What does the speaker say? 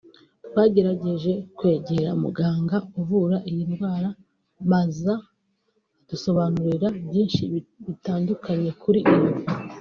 twagerageje kwegera muganga uvura yi ndwara maza adusobanurira byinshi bitandukanye kuri yo